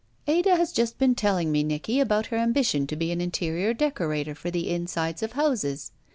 "Ada has just been telling me, Nicky, about her ambition to be an interior decorator for the insides of houses.